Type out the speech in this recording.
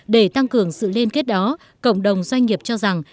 để tăng cường sự liên kết đó cộng đồng doanh nghiệp cho rằng